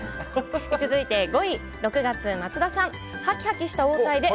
続いて５位６月、松田さん。